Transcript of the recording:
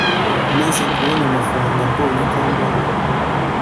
Maze kubona amafaranga mbonye uko mbaho